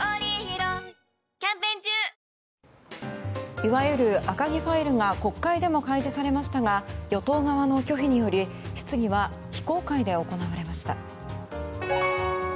いわゆる赤木ファイルが国会でも開示されましたが与党側の拒否により質疑は非公開で行われました。